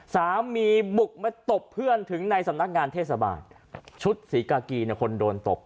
สามีบุกมาตบเพื่อนถึงในสำนักงานเทศบาลชุดศรีกากีเนี่ยคนโดนตบ